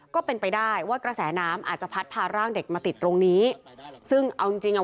ก็เป็นไปได้ว่ากระแสน้ำอาจจะพัดพาร่างเด็กมาติดตรงนี้ซึ่งเอาจริงจริงอ่ะ